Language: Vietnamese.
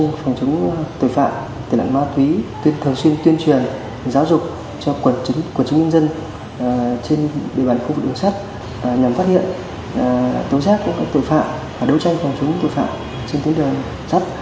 nhằm phát hiện tố giác của các tội phạm và đấu tranh phòng chống tội phạm trên tỉnh đường sát